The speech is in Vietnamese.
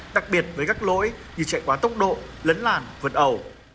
đặc biệt với các lỗi như chạy quá tốc độ lấn làn vượt ẩu